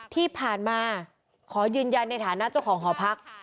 ที่ผ่านมาขอยืนยันในฐานะเจ้าของหอพัก